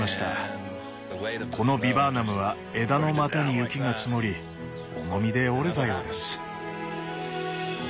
このビバーナムは枝の股に雪が積もり重みで折れたようです。